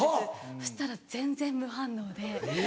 そしたら全然無反応で。